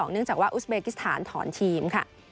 ยงจากว่าอุสเบียกิษฐานถอนทีม